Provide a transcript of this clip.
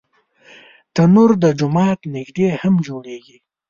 تنور د جومات نږدې هم جوړېږي